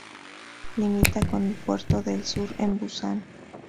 Limita con el puerto del Sur en Busan.